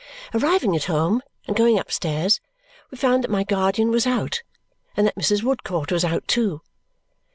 Arriving at home and going upstairs, we found that my guardian was out and that Mrs. Woodcourt was out too.